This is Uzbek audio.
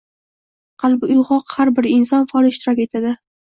qalbi uyg‘oq har bir inson faol ishtirok etadi.